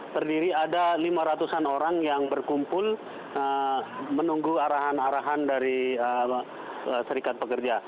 terdiri ada lima ratus an orang yang berkumpul menunggu arahan arahan dari serikat pekerja